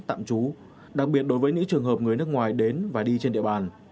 tạm trú đặc biệt đối với những trường hợp người nước ngoài đến và đi trên địa bàn